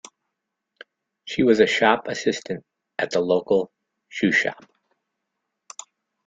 She was a shop assistant at the local shoe shop